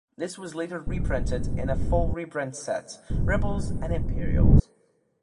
This was later reprinted in a full reprint set, Rebels and Imperials.